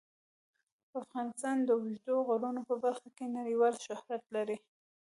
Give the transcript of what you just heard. افغانستان د اوږدو غرونو په برخه کې نړیوال شهرت لري.